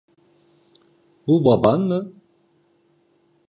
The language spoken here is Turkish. Bu baban mı?